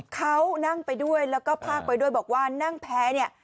เขานั่งไปด้วยแล้วก็พากไปด้วยบอกว่านั่งแพ้เนี่ย